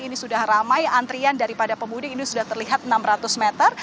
ini sudah ramai antrian daripada pemudik ini sudah terlihat enam ratus meter